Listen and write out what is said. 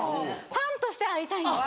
ファンとして会いたいんです。